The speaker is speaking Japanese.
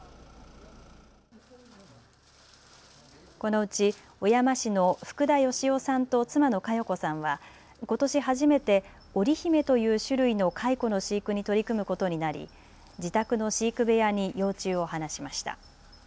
このうち小山市の福田芳男さんと妻の佳世子さんはことし初めておりひめという種類の蚕の飼育に取り組むことになり自宅の飼育部屋に幼虫を放しました。